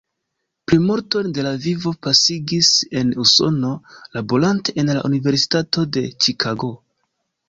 Plimulton de la vivo pasigis en Usono, laborante en la Universitato de Ĉikago.